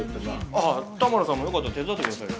ああ田丸さんもよかったら手伝ってくださいよ。